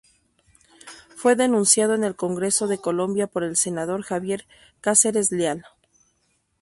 Fue denunciado en el Congreso de Colombia por el senador Javier Cáceres Leal.